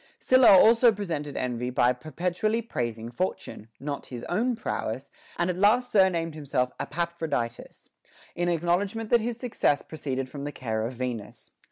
Sylla also prevented envy by perpetually praising Fortune, not his own prowess ; and at last sur named himself Epaphroditus, in acknowledgment that his success proceeded from the care of Venus.